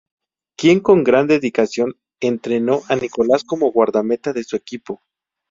Quien con gran dedicación entrenó a Nicolas como guardameta de su equipo.